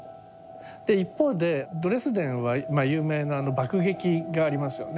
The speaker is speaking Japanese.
で一方でドレスデンは有名なあの爆撃がありますよね。